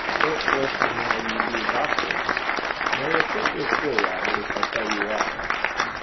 'What for shouldna ye be a doctor?' 'Now you'll think me a fool, Robert, if I tell you why.'